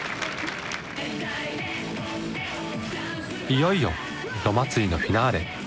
いよいよどまつりのフィナーレ。